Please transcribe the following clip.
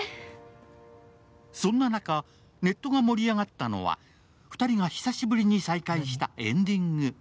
そんな中、ネットが盛り上がったのは２人が久しぶりに再会したエンディング。